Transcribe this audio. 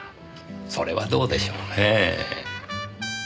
それはどうでしょうねえ。